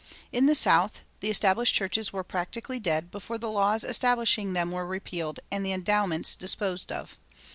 In the South the established churches were practically dead before the laws establishing them were repealed and the endowments disposed of.